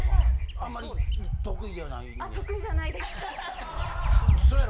あんまり得意ではないねや？